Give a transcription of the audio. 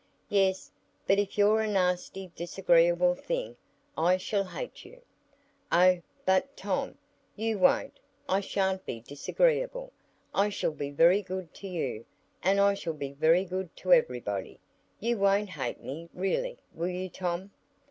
"Yes, but if you're a nasty disagreeable thing I shall hate you." "Oh, but, Tom, you won't! I sha'n't be disagreeable. I shall be very good to you, and I shall be good to everybody. You won't hate me really, will you, Tom?"